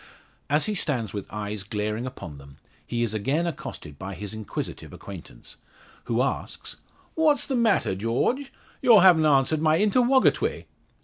As he stands with eyes glaring upon them, he is again accosted by his inquisitive acquaintance, who asks: "What's the matter, Jawge? Yaw haven't answered my intewogatowy!"